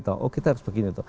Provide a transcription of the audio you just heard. oh kita harus begini